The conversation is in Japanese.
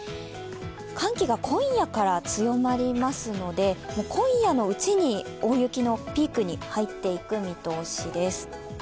寒気が今夜から強まりますので今夜のうちに大雪のピークに入っていく見通しです。